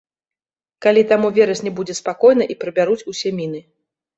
Калі там у верасні будзе спакойна і прыбяруць усе міны.